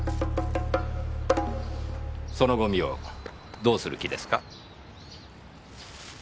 そのゴミをどうする気ですか？